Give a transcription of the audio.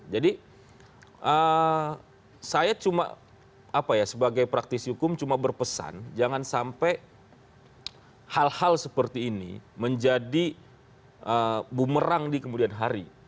jadi saya cuma apa ya sebagai praktisi hukum cuma berpesan jangan sampai hal hal seperti ini menjadi bumerang di kemudian hari